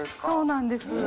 そうなんです。